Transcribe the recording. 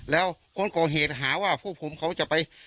แล้วคนก่อเหตุหาว่าพวกผมเขาจะไป